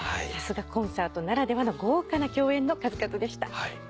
さすがコンサートならではの豪華な共演の数々でした。